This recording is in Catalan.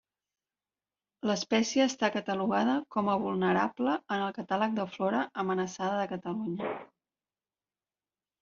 L'espècie està catalogada com a vulnerable en el Catàleg de flora amenaçada de Catalunya.